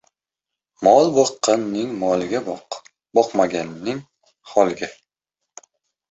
Mol boqqanning moliga boq, boqmaganning — holiga.